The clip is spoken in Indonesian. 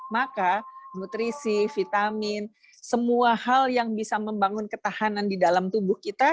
maka nutrisi vitamin semua hal yang bisa membangun ketahanan di dalam tubuh kita